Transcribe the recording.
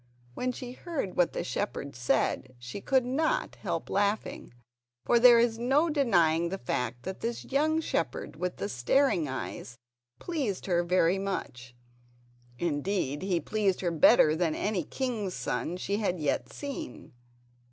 When she heard what the shepherd said she could not help laughing, for there is no denying the fact that this young shepherd with the staring eyes pleased her very much; indeed he pleased her better than any king's son she had yet seen.